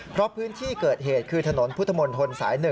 เพราะพื้นที่เกิดเหตุคือถนนพุทธมนตรสาย๑